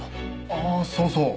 ああそうそう。